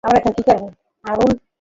আমরা এখন কি করব, আরুল?